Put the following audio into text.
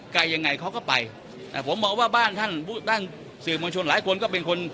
ไกลยังไงเขาก็ไปผมบอกว่าบ้านท่านสื่อมวลชนหลายคนก็เป็นคน